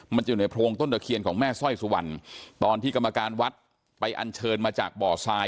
อยู่ในโพรงต้นตะเคียนของแม่สร้อยสุวรรณตอนที่กรรมการวัดไปอันเชิญมาจากบ่อทราย